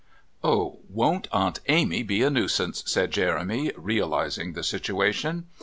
"Oh, won't Aunt Amy be a nuisance," said Jeremy, realising the situation.